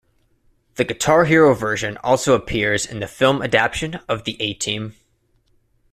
The "Guitar Hero" version also appears in the film adaption of the "A-Team".